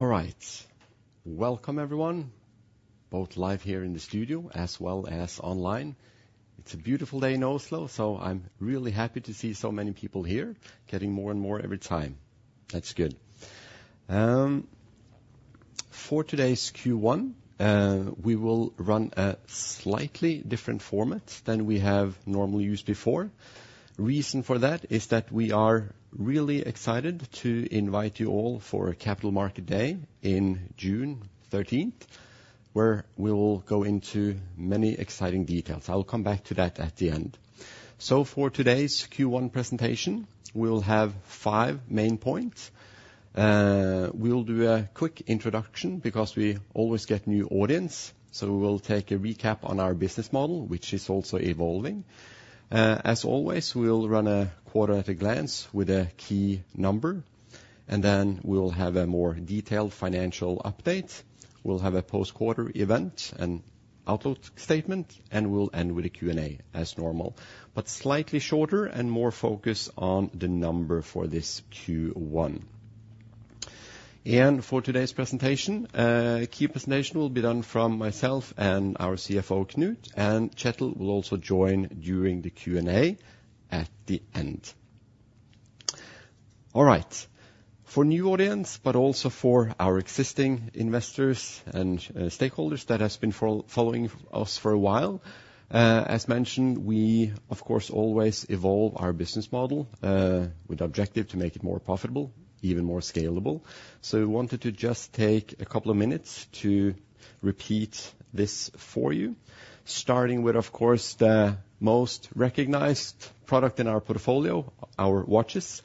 All right. Welcome, everyone, both live here in the studio as well as online. It's a beautiful day in Oslo, so I'm really happy to see so many people here, getting more and more every time. That's good. For today's Q1, we will run a slightly different format than we have normally used before. Reason for that is that we are really excited to invite you all for a Capital Market Day in June 13th, where we will go into many exciting details. I will come back to that at the end. So for today's Q1 presentation, we'll have five main points. We'll do a quick introduction because we always get new audience, so we will take a recap on our business model, which is also evolving. As always, we'll run a quarter at a glance with a key number, and then we'll have a more detailed financial update. We'll have a post-quarter event and outlook statement, and we'll end with a Q&A as normal, but slightly shorter and more focused on the number for this Q1. For today's presentation, key presentation will be done from myself and our Chief Financial Officer, Knut, and Kjetil will also join during the Q&A at the end. All right. For new audience, but also for our existing investors and stakeholders that has been following us for a while, as mentioned, we, of course, always evolve our business model with objective to make it more profitable, even more scalable. We wanted to just take a couple of minutes to repeat this for you. Starting with, of course, the most recognized product in our portfolio, our watches.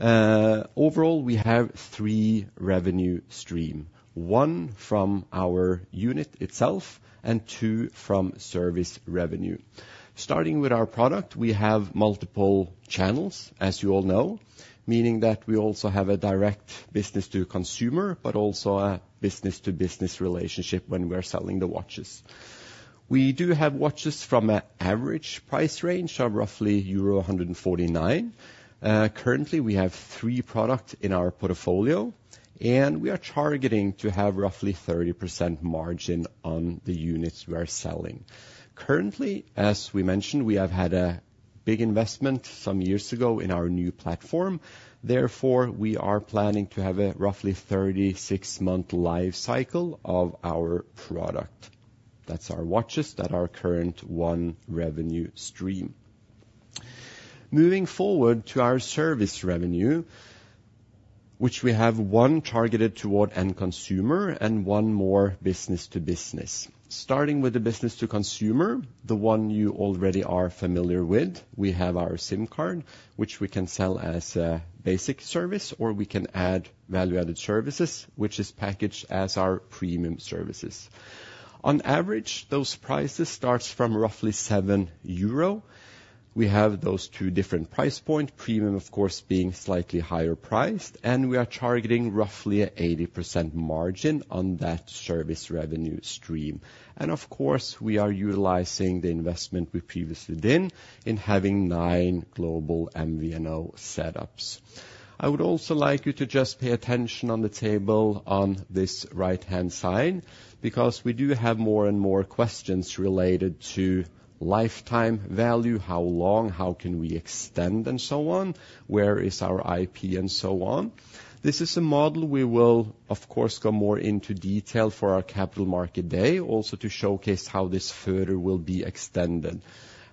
Overall, we have three revenue stream, one from our unit itself and two from service revenue. Starting with our product, we have multiple channels, as you all know, meaning that we also have a direct business-to-consumer, but also a business-to-business relationship when we're selling the watches. We do have watches from an average price range of roughly euro 149. Currently, we have three product in our portfolio, and we are targeting to have roughly 30% margin on the units we are selling. Currently, as we mentioned, we have had a big investment some years ago in our new platform. Therefore, we are planning to have a roughly 36-month life cycle of our product. That's our watches, that our current one revenue stream. Moving forward to our service revenue, which we have one targeted toward end consumer and one more business to business. Starting with the business to consumer, the one you already are familiar with, we have our SIM card, which we can sell as a basic service, or we can add value-added services, which is packaged as our premium services. On average, those prices starts from roughly 7 euro. We have those two different price point, premium, of course, being slightly higher priced, and we are targeting roughly 80% margin on that service revenue stream. And of course, we are utilizing the investment we previously did in having nine global MVNO setups. I would also like you to just pay attention on the table on this right-hand side, because we do have more and more questions related to lifetime value, how long, how can we extend, and so on, where is our IP, and so on. This is a model we will, of course, go more into detail for our Capital Market Day, also to showcase how this further will be extended.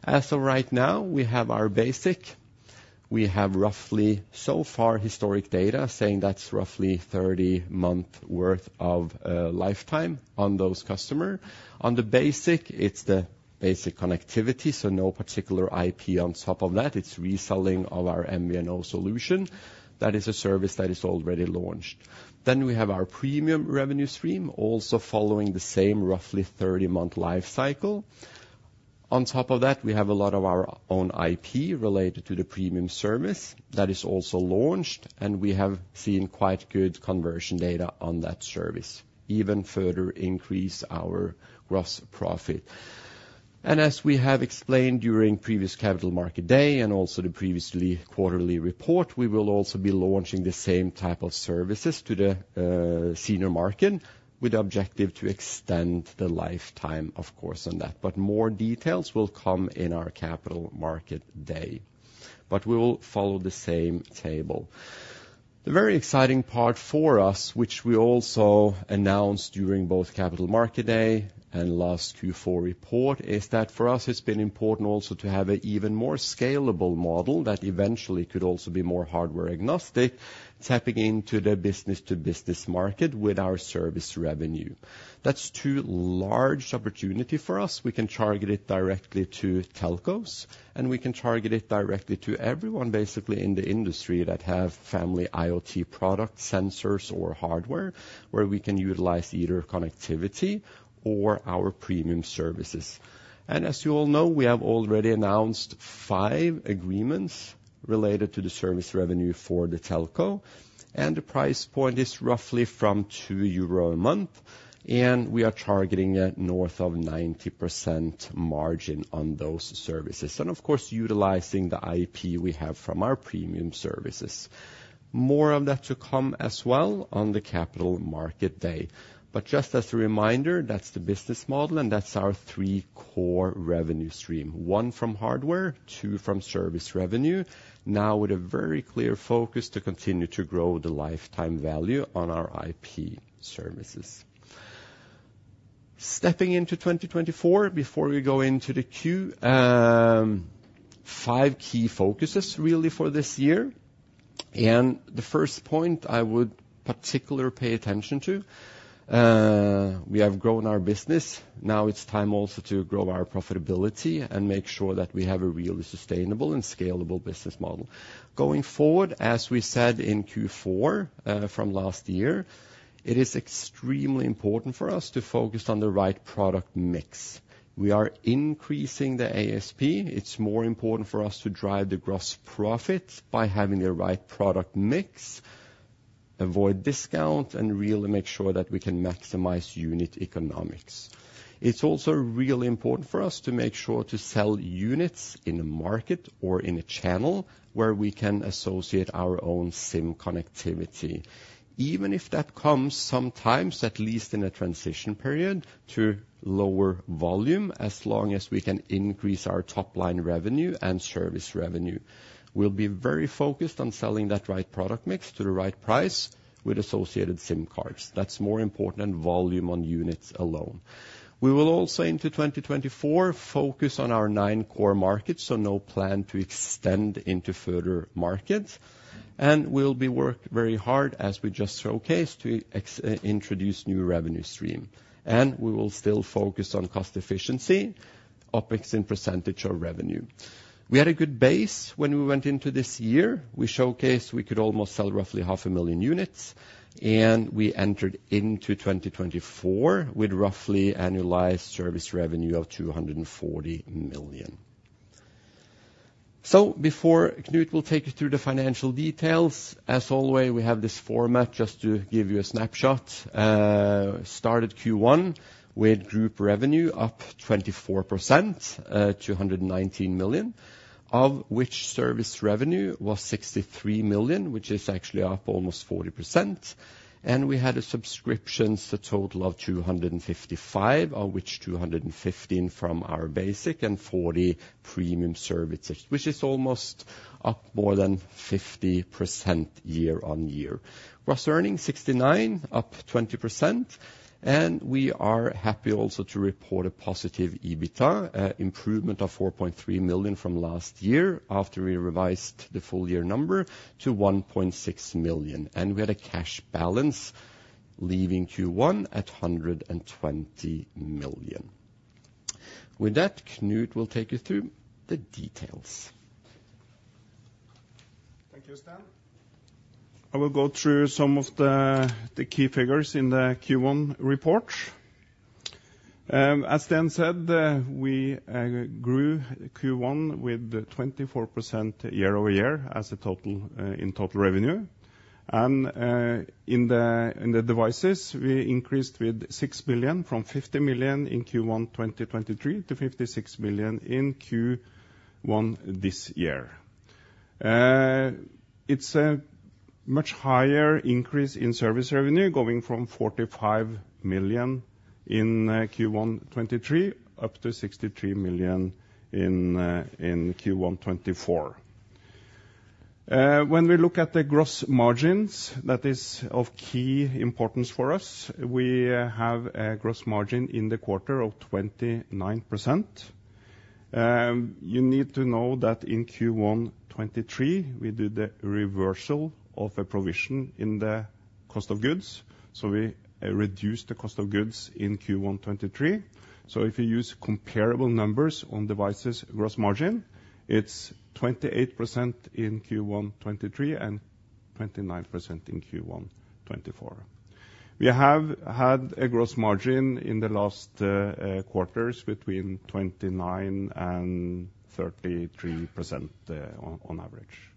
As of right now, we have our basic. We have roughly, so far, historic data saying that's roughly 30-month worth of lifetime on those customer. On the basic, it's the basic connectivity, so no particular IP on top of that. It's reselling of our MVNO solution. That is a service that is already launched. Then we have our premium revenue stream, also following the same roughly 30-month life cycle. On top of that, we have a lot of our own IP related to the premium service that is also launched, and we have seen quite good conversion data on that service, even further increase our gross profit. As we have explained during previous Capital Market Day and also the previous quarterly report, we will also be launching the same type of services to the senior market with the objective to extend the lifetime, of course, of that. More details will come in our Capital Market Day. We will follow the same table. The very exciting part for us, which we also announced during both Capital Market Day and last Q4 report, is that for us, it's been important also to have an even more scalable model that eventually could also be more hardware-agnostic, tapping into the business-to-business market with our service revenue. That's too large an opportunity for us. We can target it directly to telcos, and we can target it directly to everyone, basically, in the industry that have Family IoT product sensors or hardware, where we can utilize either connectivity or our premium services. As you all know, we have already announced 5 agreements related to the service revenue for the telco, and the price point is roughly from 2 euro a month, and we are targeting at north of 90% margin on those services, and of course, utilizing the IP we have from our premium services. More of that to come as well on the Capital Market Day. Just as a reminder, that's the business model, and that's our three core revenue stream: one from hardware, two from service revenue, now with a very clear focus to continue to grow the lifetime value on our IP services. Stepping into 2024, before we go into the Q, five key focuses really for this year. The first point I would particularly pay attention to, we have grown our business. Now it's time also to grow our profitability and make sure that we have a really sustainable and scalable business model. Going forward, as we said in Q4 from last year, it is extremely important for us to focus on the right product mix. We are increasing the ASP. It's more important for us to drive the gross profit by having the right product mix, avoid discount, and really make sure that we can maximize unit economics. It's also really important for us to make sure to sell units in the market or in a channel where we can associate our own SIM connectivity. Even if that comes sometimes, at least in a transition period, to lower volume, as long as we can increase our top line revenue and service revenue. We'll be very focused on selling that right product mix to the right price with associated SIM cards. That's more important than volume on units alone. We will also, into 2024, focus on our nine core markets, so no plan to extend into further markets. And we'll be work very hard, as we just showcased, to introduce new revenue stream. And we will still focus on cost efficiency, OpEx in percentage of revenue. We had a good base when we went into this year. We showcased we could almost sell roughly 500,000 units, and we entered into 2024 with roughly annualized service revenue of 240 million. So before Knut will take you through the financial details, as always, we have this format just to give you a snapshot. Started Q1 with group revenue up 24%, to 119 million, of which service revenue was 63 million, which is actually up almost 40%. And we had subscriptions, a total of 255, of which 215 from our basic and 40 premium services, which is almost up more than 50% year-on-year. Gross earnings 69, up 20%, and we are happy also to report a positive EBITDA improvement of 4.3 million from last year after we revised the full year number to 1.6 million. We had a cash balance leaving Q1 at 120 million. With that, Knut will take you through the details. Thank you, Sten. I will go through some of the key figures in the Q1 report. As Sten said, we grew Q1 with 24% year-over-year as a total in total revenue. And in the devices, we increased with 6 million, from 50 million in Q1 2023 to 56 million in Q1 this year. It's a much higher increase in service revenue, going from 45 million in Q1 2023, up to 63 million in Q1 2024. When we look at the gross margins, that is of key importance for us. We have a gross margin in the quarter of 29%. You need to know that in Q1 2023, we did a reversal of a provision in the cost of goods, so we reduced the cost of goods in Q1 2023. So if you use comparable numbers on devices gross margin, it's 28% in Q1 2023 and 29% in Q1 2024. We have had a gross margin in the last quarters between 29%-33%, on average.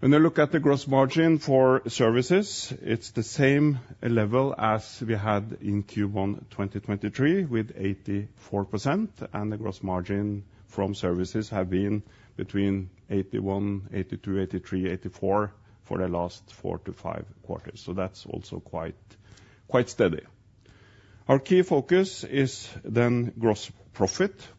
When we look at the gross margin for services, it's the same level as we had in Q1 2023, with 84%, and the gross margin from services have been between 81%-84% for the last 4-5 quarters. So that's also quite, quite steady. Our key focus is then gross profit,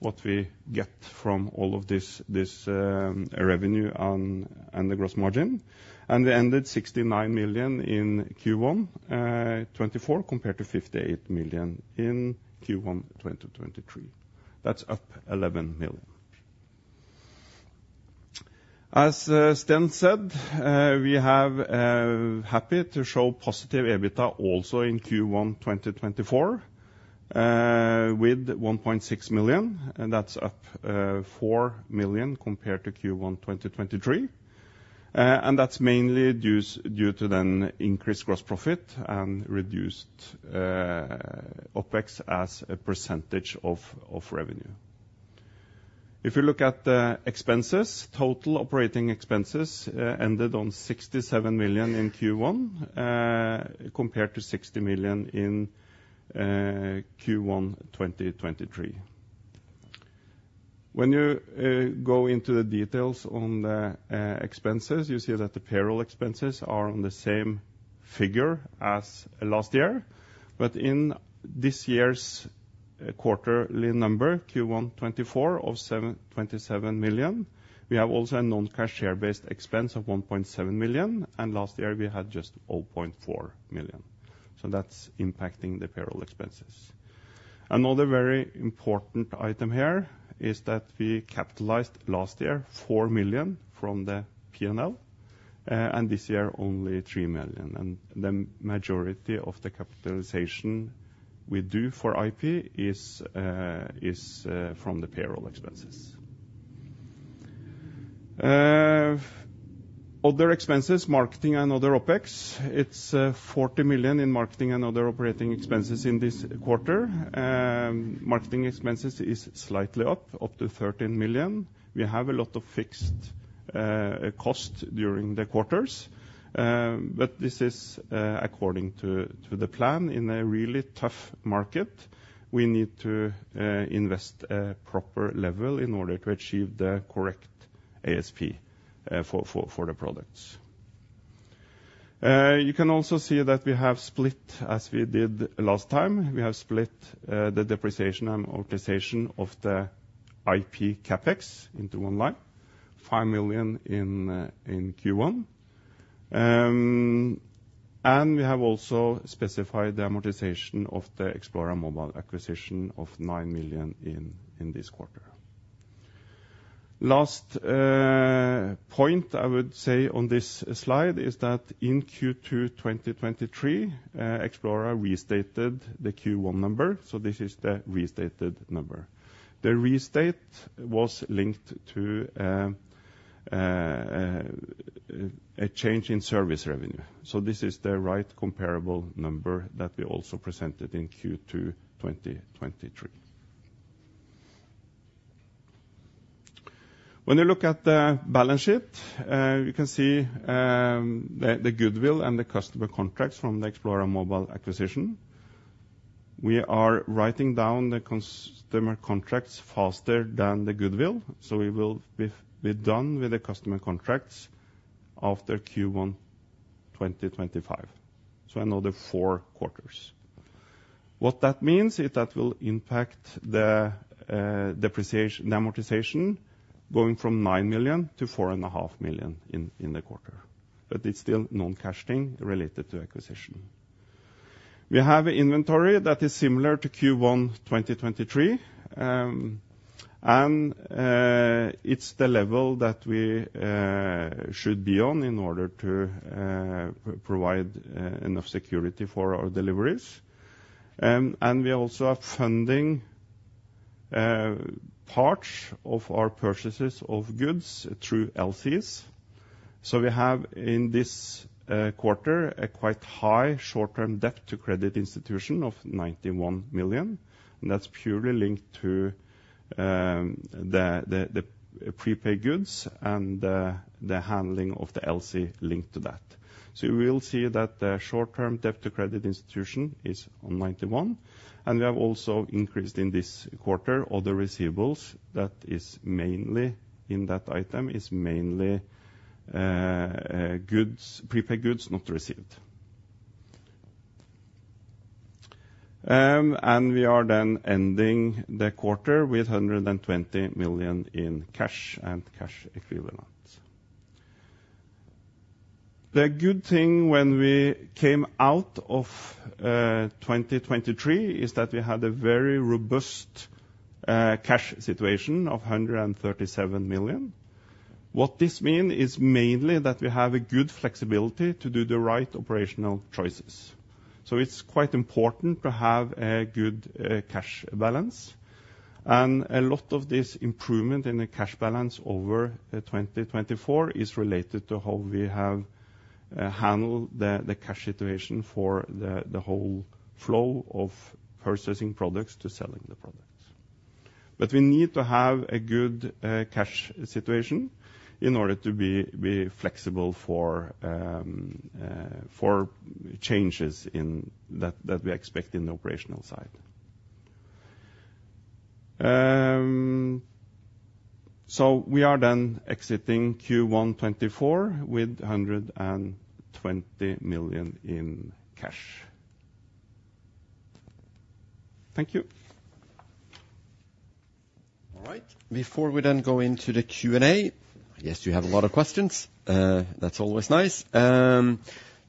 what we get from all of this, this, revenue on, and the gross margin. And we ended 69 million in Q1 2024, compared to 58 million in Q1 2023. That's up NOK 11 million. As Sten said, we have happy to show positive EBITDA also in Q1 2024, with 1.6 million, and that's up 4 million compared to Q1 2023. That's mainly due to the increased gross profit and reduced OpEx as a percentage of revenue. If you look at the expenses, total operating expenses ended on 67 million in Q1, compared to 60 million in Q1 2023. When you go into the details on the expenses, you see that the payroll expenses are on the same figure as last year. But in this year's quarterly number, Q1 2024 of 27 million. We have also a non-cash share-based expense of 1.7 million, and last year we had just 0.4 million. That's impacting the payroll expenses. Another very important item here is that we capitalized last year, 4 million from the P&L, and this year only 3 million, and the majority of the capitalization we do for IP is from the payroll expenses. Other expenses, marketing and other OpEx, it's 40 million in marketing and other operating expenses in this quarter. Marketing expenses is slightly up to 13 million. We have a lot of fixed cost during the quarters, but this is according to the plan. In a really tough market, we need to invest a proper level in order to achieve the correct ASP for the products. You can also see that we have split, as we did last time, we have split, the depreciation and amortization of the IP CapEx into one line, 5 million in Q1. And we have also specified the amortization of the Xplora Mobile acquisition of 9 million in this quarter. Last point I would say on this slide is that in Q2 2023, Xplora restated the Q1 number, so this is the restated number. The restate was linked to a change in service revenue, so this is the right comparable number that we also presented in Q2 2023. When you look at the balance sheet, you can see the goodwill and the customer contracts from the Xplora Mobile acquisition. We are writing down the customer contracts faster than the goodwill, so we will be done with the customer contracts after Q1 2025, so another four quarters. What that means is that will impact the depreciation, the amortization, going from 9 million to 4.5 million in the quarter, but it's still non-cash thing related to acquisition. We have inventory that is similar to Q1 2023, and it's the level that we should be on in order to provide enough security for our deliveries. And we also are funding parts of our purchases of goods through LCs. So we have, in this quarter, a quite high short-term debt to credit institution of 91 million, and that's purely linked to the prepaid goods and the handling of the LC linked to that. So you will see that the short-term debt to credit institution is 91 million, and we have also increased in this quarter other receivables that is mainly in that item, mainly goods, prepaid goods not received. And we are then ending the quarter with 120 million in cash and cash equivalents. The good thing when we came out of 2023 is that we had a very robust cash situation of 137 million. What this mean is mainly that we have a good flexibility to do the right operational choices. So it's quite important to have a good cash balance. And a lot of this improvement in the cash balance over 2024 is related to how we have handled the cash situation for the whole flow of purchasing products to selling the products. But we need to have a good cash situation in order to be flexible for changes that we expect in the operational side. So we are then exiting Q1 2024 with NOK 120 million in cash. Thank you. All right. Before we then go into the Q&A, I guess you have a lot of questions. That's always nice.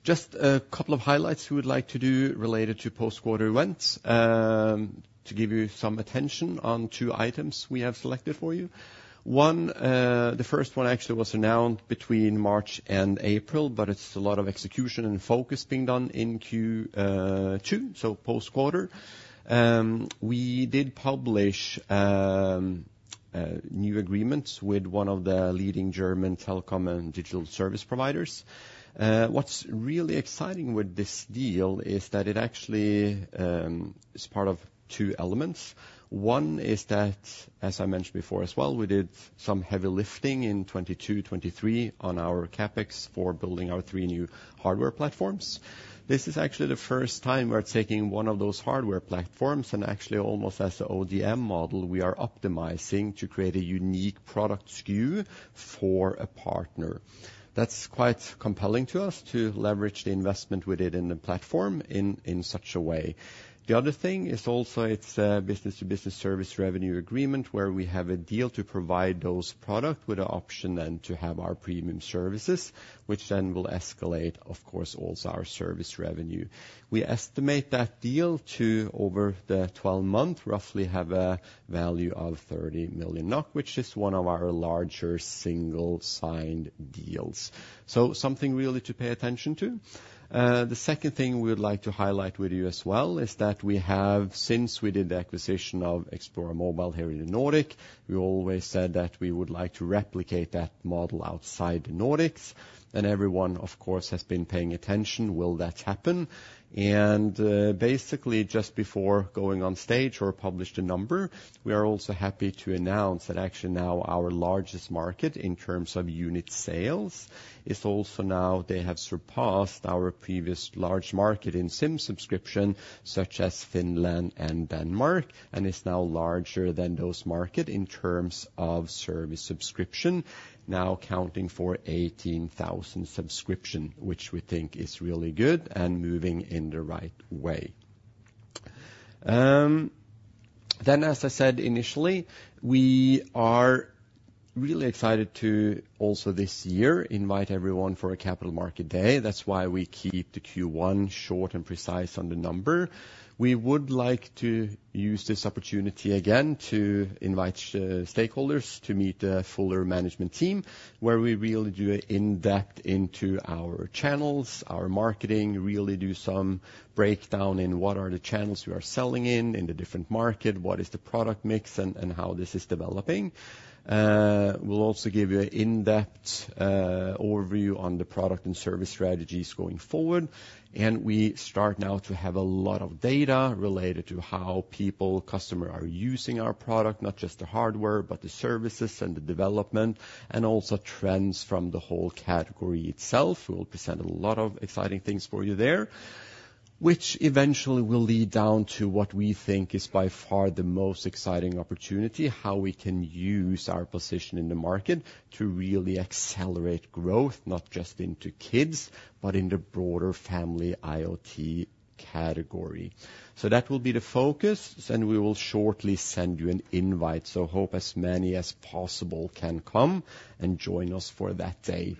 Just a couple of highlights we would like to do related to post-quarter events, to give you some attention on two items we have selected for you. One, the first one actually was announced between March and April, but it's a lot of execution and focus being done in Q2, so post-quarter. We did publish,... new agreements with one of the leading German telecom and digital service providers. What's really exciting with this deal is that it actually is part of two elements. One is that, as I mentioned before as well, we did some heavy lifting in 2022, 2023 on our CapEx for building our three new hardware platforms. This is actually the first time we're taking one of those hardware platforms, and actually almost as a ODM model, we are optimizing to create a unique product SKU for a partner. That's quite compelling to us to leverage the investment we did in the platform in such a way. The other thing is also it's a business-to-business service revenue agreement, where we have a deal to provide those product with the option then to have our premium services, which then will escalate, of course, also our service revenue. We estimate that deal to, over the 12-month, roughly have a value of 30 million NOK, which is one of our larger single signed deals. So something really to pay attention to. The second thing we would like to highlight with you as well is that we have, since we did the acquisition of Xplora Mobile here in the Nordic, we always said that we would like to replicate that model outside the Nordics. And everyone, of course, has been paying attention, will that happen? Basically, just before going on stage or publish the number, we are also happy to announce that actually now our largest market in terms of unit sales is also now they have surpassed our previous large market in SIM subscription, such as Finland and Denmark, and is now larger than those market in terms of service subscription, now accounting for 18,000 subscription, which we think is really good and moving in the right way. Then, as I said initially, we are really excited to also this year invite everyone for a Capital Market Day. That's why we keep the Q1 short and precise on the number. We would like to use this opportunity again to invite stakeholders to meet the fuller management team, where we really do an in-depth into our channels, our marketing, really do some breakdown in what are the channels we are selling in, in the different market, what is the product mix, and how this is developing. We'll also give you an in-depth overview on the product and service strategies going forward. We start now to have a lot of data related to how people, customers, are using our product, not just the hardware, but the services and the development, and also trends from the whole category itself. We will present a lot of exciting things for you there, which eventually will lead down to what we think is by far the most exciting opportunity, how we can use our position in the market to really accelerate growth, not just into kids, but in the broader Family IoT category. So that will be the focus, and we will shortly send you an invite. So hope as many as possible can come and join us for that day.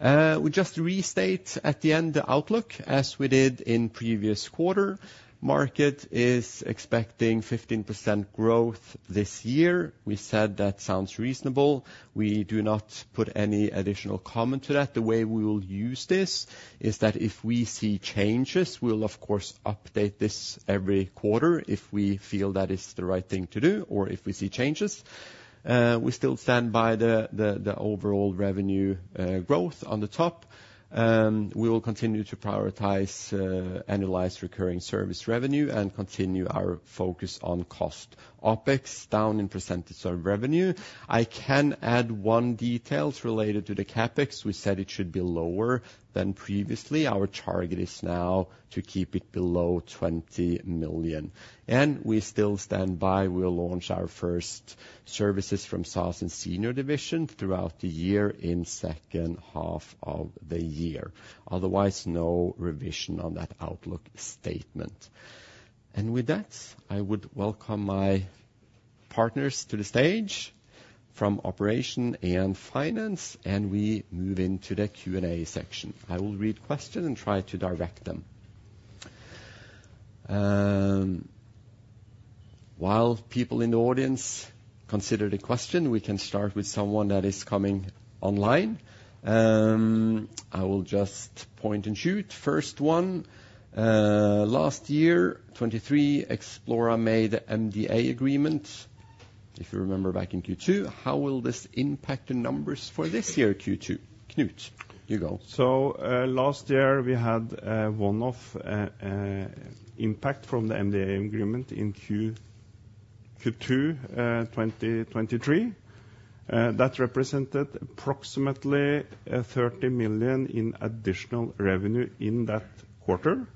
We just restate at the end, the outlook, as we did in previous quarter. Market is expecting 15% growth this year. We said that sounds reasonable. We do not put any additional comment to that. The way we will use this is that if we see changes, we'll of course update this every quarter if we feel that is the right thing to do or if we see changes. We still stand by the overall revenue growth on the top. We will continue to prioritize, analyze recurring service revenue and continue our focus on cost OpEx down in percentage of revenue. I can add one detail related to the CapEx. We said it should be lower than previously. Our target is now to keep it below 20 million. And we still stand by, we'll launch our first services from SaaS and senior division throughout the year in second half of the year. Otherwise, no revision on that outlook statement. And with that, I would welcome my partners to the stage from operation and finance, and we move into the Q&A section. I will read question and try to direct them. While people in the audience consider the question, we can start with someone that is coming online. I will just point and shoot. First one, last year, 2023, Xplora made the MDA agreement, if you remember back in Q2. How will this impact the numbers for this year, Q2? Knut, you go. Last year, we had one-off impact from the MDA agreement in Q2 2023. That represented approximately 30 million in additional revenue in that quarter.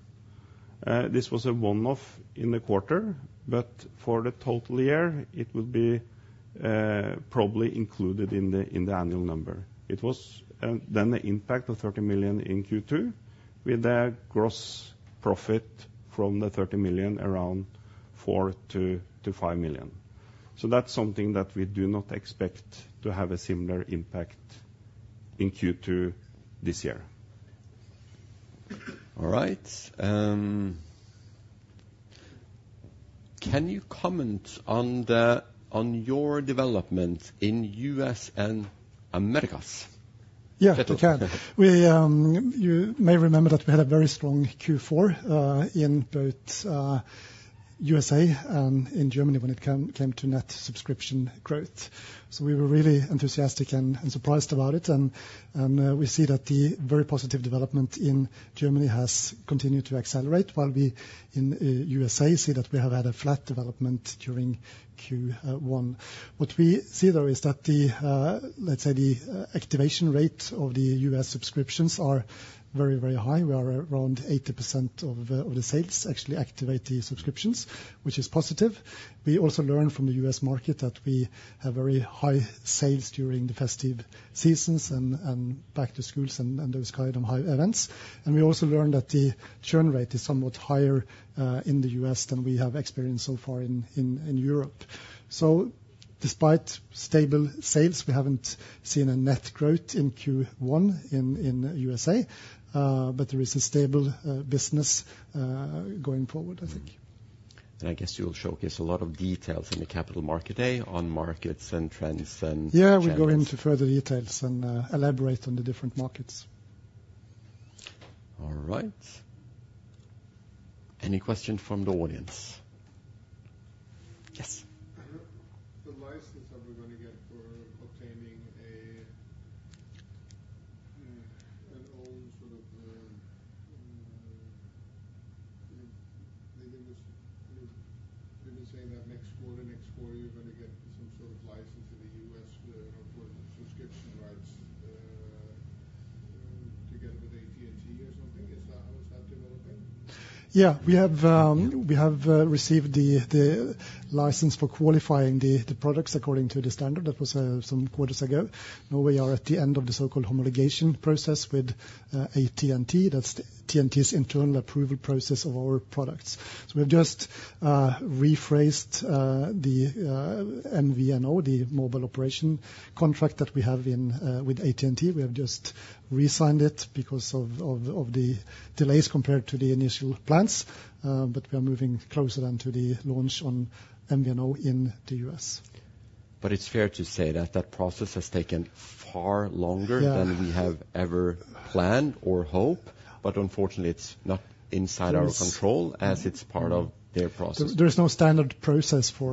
This was a one-off in the quarter, but for the total year, it would be probably included in the annual number. It was then the impact of 30 million in Q2, with the gross profit from the 30 million around 4 million-5 million. So that's something that we do not expect to have a similar impact in Q2 this year. All right. Can you comment on your development in U.S. and Americas? Yeah, we can. We, you may remember that we had a very strong Q4 in both USA and in Germany when it came to net subscription growth. So we were really enthusiastic and we see that the very positive development in Germany has continued to accelerate, while we in USA see that we have had a flat development during Q1. What we see, though, is that the, let's say, the activation rate of the US subscriptions are very, very high. We are around 80% of the sales actually activate the subscriptions, which is positive. We also learned from the US market that we have very high sales during the festive seasons and back to schools and those kind of high events. We also learned that the churn rate is somewhat higher in the U.S. than we have experienced so far in Europe. Despite stable sales, we haven't seen a net growth in Q1 in USA, but there is a stable business going forward, I think. I guess you'll showcase a lot of details in the capital markets day on markets and trends and- Yeah, we go into further details and, elaborate on the different markets. All right. Any question from the audience? Yes. AT&T's internal approval process of our products. So we've just rephrased the MVNO, the mobile operation contract that we have with AT&T. We have just re-signed it because of the delays compared to the initial plans. But we are moving closer then to the launch on MVNO in the U.S. But it's fair to say that that process has taken far longer-. Yeah Than we have ever planned or hoped, but unfortunately, it's not inside our control- There's- as it's part of their process. There's no standard process for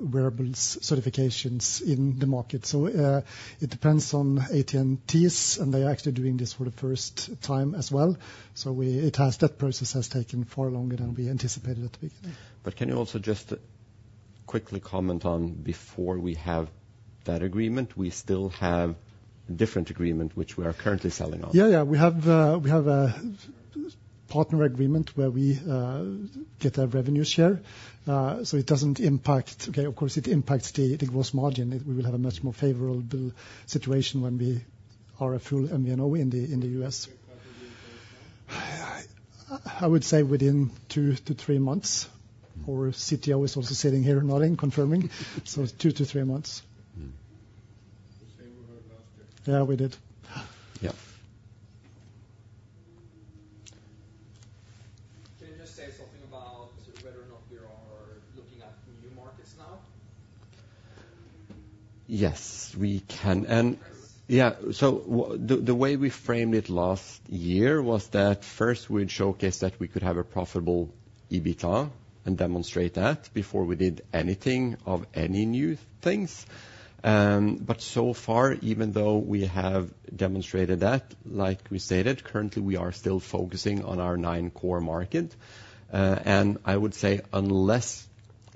wearables certifications in the market. So, it depends on AT&T's, and they're actually doing this for the first time as well. So, that process has taken far longer than we anticipated at the beginning. Can you also just quickly comment on, before we have that agreement, we still have a different agreement, which we are currently selling on? Yeah, yeah. We have a partner agreement where we get a revenue share. So it doesn't impact... Okay, of course, it impacts the gross margin. We will have a much more favorable situation when we are a full MVNO in the U.S. When will that be in place now? I would say within 2-3 months, or CTO is also sitting here nodding, confirming. So it's 2-3 months. Mm-hmm. Yeah, we did. Yeah. Can you just say something about whether or not we are looking at new markets now? Yes, we can. And yeah, so the way we framed it last year was that first we'd showcase that we could have a profitable EBITDA and demonstrate that before we did anything of any new things. But so far, even though we have demonstrated that, like we stated, currently we are still focusing on our nine core market. And I would say unless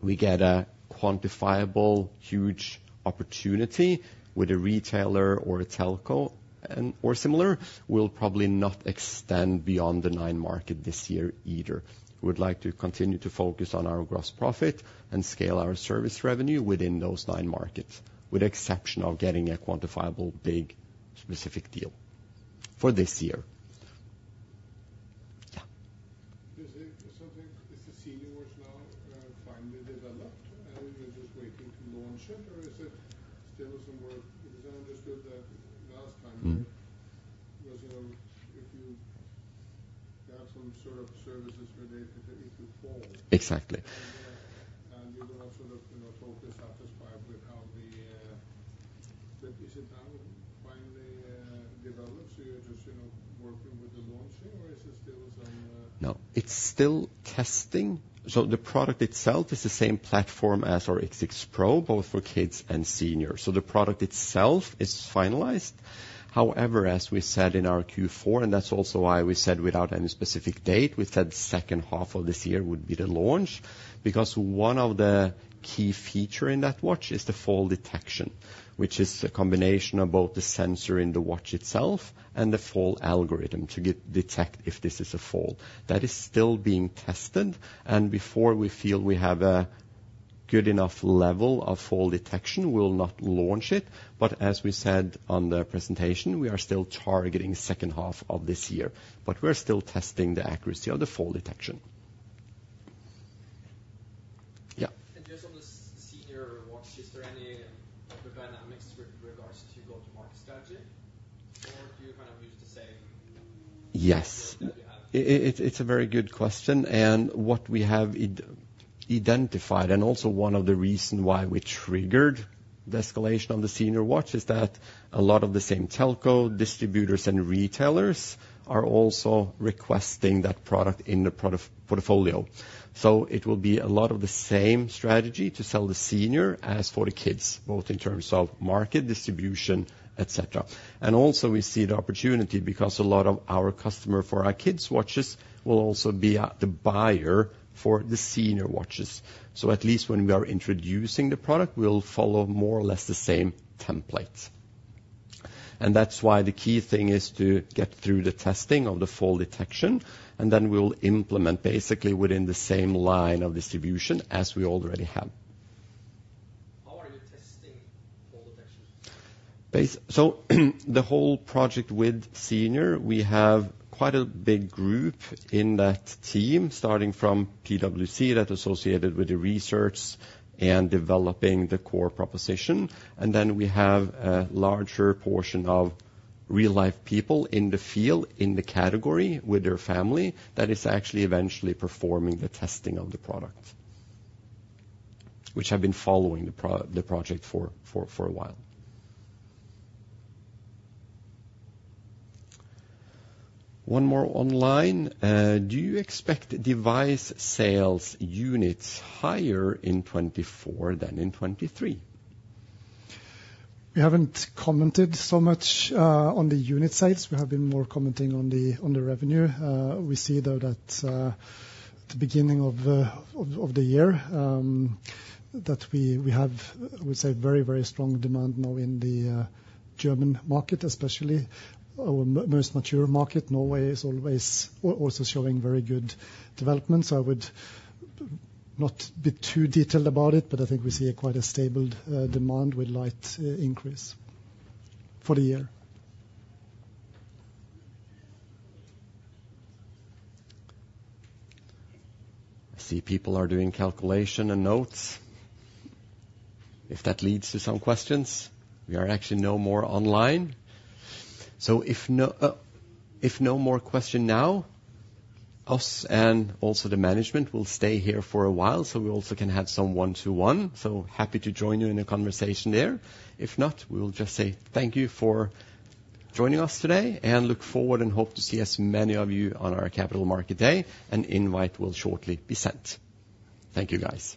we get a quantifiable, huge opportunity with a retailer or a telco and/or similar, we'll probably not extend beyond the nine market this year either. We'd like to continue to focus on our gross profit and scale our service revenue within those nine markets, with the exception of getting a quantifiable, big, specific deal for this year. Yeah. Is it something, is the senior watch now, finally developed, and you're just waiting to launch it, or is it still some work? Because I understood that last time- Mm-hmm. It was, if you got some sort of services related to, if you fall. Exactly. you were not sort of, you know, totally satisfied with how the, but is it now finally developed, so you're just, you know, working with the launching, or is it still some? No, it's still testing. So the product itself is the same platform as our X6 Pro, both for kids and seniors. So the product itself is finalized. However, as we said in our Q4, and that's also why we said without any specific date, we said second half of this year would be the launch. Because one of the key feature in that watch is the fall detection, which is a combination of both the sensor in the watch itself and the fall algorithm to detect if this is a fall. That is still being tested, and before we feel we have a good enough level of fall detection, we will not launch it. But as we said on the presentation, we are still targeting second half of this year, but we're still testing the accuracy of the fall detection. Yeah. Just on the senior watch, is there any other dynamics with regards to go-to-market strategy, or do you kind of use the same? Yes, it's a very good question, and what we have identified, and also one of the reason why we triggered the escalation on the senior watch, is that a lot of the same telco, distributors, and retailers are also requesting that product in the product portfolio. So it will be a lot of the same strategy to sell the senior as for the kids, both in terms of market distribution, et cetera. And also, we see the opportunity because a lot of our customer for our kids' watches will also be the buyer for the senior watches. So at least when we are introducing the product, we'll follow more or less the same template. And that's why the key thing is to get through the testing of the fall detection, and then we'll implement basically within the same line of distribution as we already have. How are you testing fall detection? So the whole project with senior, we have quite a big group in that team, starting from PwC, that associated with the research and developing the core proposition. And then we have a larger portion of real-life people in the field, in the category with their family, that is actually eventually performing the testing of the product, which have been following the project for a while. One more online: Do you expect device sales units higher in 2024 than in 2023? We haven't commented so much on the unit sales. We have been more commenting on the revenue. We see, though, that at the beginning of the year, that we have, I would say, very, very strong demand now in the German market, especially our most mature market. Norway is always also showing very good development, so I would not be too detailed about it, but I think we see quite a stable demand with light increase for the year. I see people are doing calculation and notes. If that leads to some questions, we are actually no more online. So if no, if no more question now, us and also the management will stay here for a while, so we also can have some one-to-one. So happy to join you in a conversation there. If not, we will just say thank you for joining us today, and look forward and hope to see as many of you on our Capital Market Day. An invite will shortly be sent. Thank you, guys.